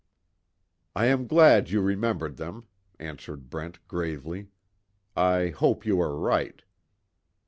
"I am glad you remembered them," answered Brent gravely. "I hope you are right."